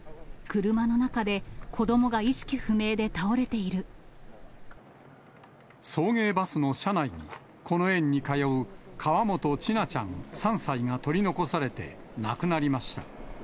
車の中で、送迎バスの車内に、この園に通う河本千奈ちゃん３歳が取り残されて、亡くなりました。